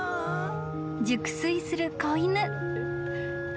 ［熟睡する子犬］